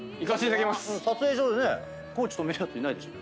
撮影所でね地止めるやついないでしょ。